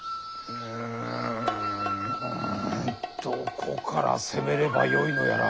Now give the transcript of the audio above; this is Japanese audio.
うんどこから攻めればよいのやら。